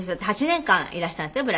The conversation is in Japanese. ８年間いらしたんですって？